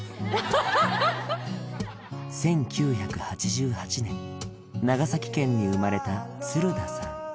１９８８年長崎県に生まれた鶴田さん